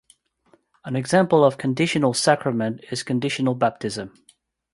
An example of conditional sacrament is conditional baptism.